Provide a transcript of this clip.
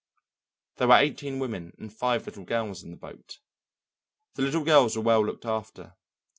There were eighteen women and five little girls in the boat. The little girls were well looked after.